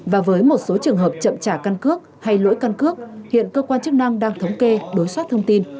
và với một số trường hợp chậm trả căn cước hay lỗi căn cước hiện cơ quan chức năng đang thống kê đối soát thông tin